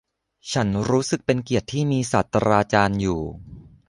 ฉันรู้สึกเป็นเกียรติที่มีศาสตราจารย์อยู่